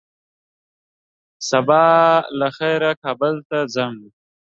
سبا له خيره کابل ته ځم